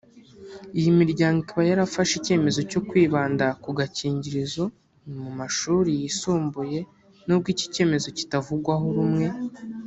Iyi miryango ikaba yarafashe icyemezo cyo kwibanda ku gakingirizo mu mashuri yisumbuye n’ubwo iki cyemezo kitavugwaho rumwe